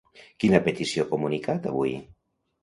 Quina petició ha comunicat avui?